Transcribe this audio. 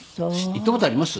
行った事あります？